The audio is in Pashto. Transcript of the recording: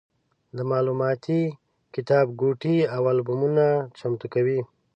د معلوماتي کتابګوټي او البومونه چمتو کوي.